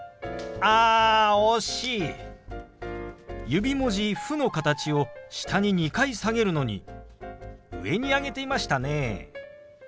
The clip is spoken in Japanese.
指文字「フ」の形を下に２回下げるのに上に上げていましたね。